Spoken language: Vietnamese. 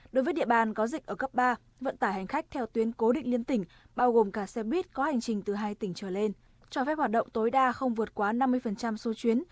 đối với địa bàn có dịch ở cấp ba vận tải hành khách theo tuyến cố định liên tỉnh bao gồm cả xe buýt có hành trình từ hai tỉnh trở lên cho phép hoạt động tối đa không vượt quá năm mươi số chuyến